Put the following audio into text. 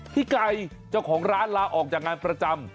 พี่ไก่เจ้าของร้านลาออกจากงานประจำ